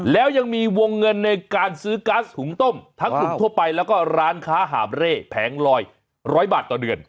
แล้วยังมีวงเงินในการซื้อก๊าซหุงต้มทั้งกลุ่มทั่วไปแล้วก็ร้านค้าหาบเร่แผงลอย๑๐๐บาทต่อเดือน